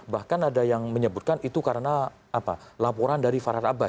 bahkan ada yang menyebutkan itu karena laporan dari farah abbas